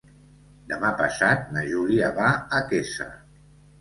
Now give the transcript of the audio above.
Demà passat na Júlia va a Quesa.